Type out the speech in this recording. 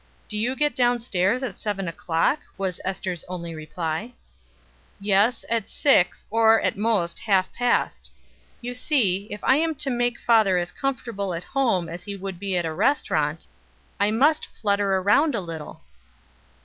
"Do you get down stairs at seven o'clock?" was Ester's only reply. "Yes, at six, or, at most, half past. You see, if I am to make father as comfortable at home as he would be at a restaurant, I must flutter around a little."